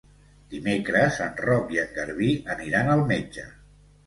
Dimecres en Roc i en Garbí aniran al metge.